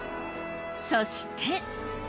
そして。